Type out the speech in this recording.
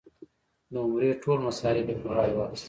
د عمرې ټول مصارف یې په غاړه واخیستل.